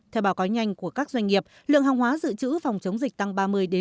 theo báo cói nhanh của các doanh nghiệp lượng hàng hóa dự trữ phòng chống dịch tăng ba mươi bốn mươi